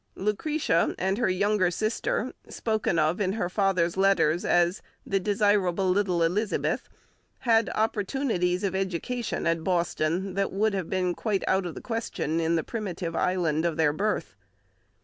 Lucretia and her younger sister, spoken of in her father's letters as "the desirable little Elizabeth," had opportunities of education at Boston that would have been quite out of the question in the primitive island of their birth.